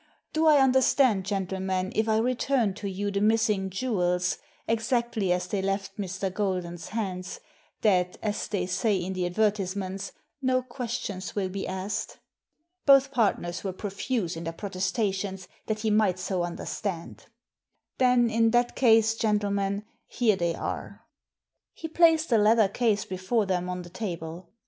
" Do I understand, gentlemen, if I return to you the missing jewels, exactly as they left Mr. Golden's hands, that, as they say in the advertisements, no questions will be asked?" Both partners were pro fuse in their protestations that he might so under stand. "Then, in that case, gentlemen, here they are " He placed a leather case before them on the table.